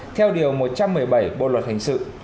theo điều một trăm một mươi bảy bộ luật hình sự